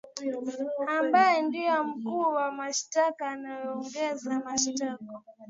ambaye ndio mkuu wa mashtaka anayeongoza mashtaka